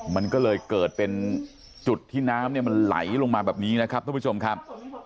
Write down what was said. มันก็เลยเกิดเป็นจุดที่น้ำเนี่ยมันไหลลงมาแบบนี้นะครับทุกผู้ชมครับ